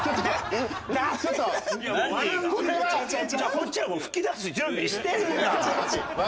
こっちはもう吹き出す準備してるんだから！